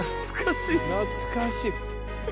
「懐かしい！」